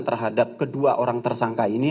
terhadap kedua orang tersangka ini